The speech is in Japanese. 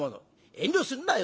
遠慮するなよ